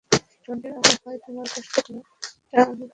সমুদ্রের আবহাওয়ায় তোমার কষ্ট করাটা আমি ভাবতেই পারবো না।